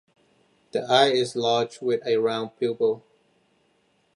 The eye is large with a round pupil.